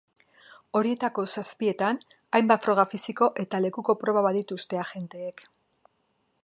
Horietako zazpietan, hainbat froga fisiko eta lekuko-proba badituzte agenteek.